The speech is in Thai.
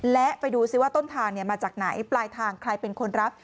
และไปดูซิว่าต้นทางมาจากไหนปลายทางใครเป็นคนรับ